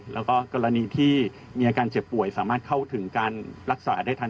แล้วก็กรณีที่มีอาการเจ็บป่วยสามารถเข้าถึงการรักษาได้ทัน